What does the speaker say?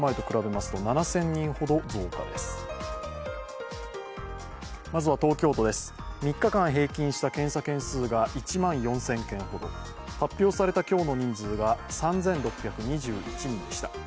まずは東京都です、３日間平均した検査件数は１万４０００件ほど、発表された今日の人数が３６２１人でした。